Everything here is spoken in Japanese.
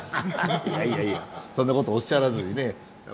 いやいやいやそんなことおっしゃらずにね。